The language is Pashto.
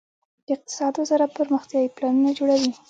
د اقتصاد وزارت پرمختیايي پلانونه جوړوي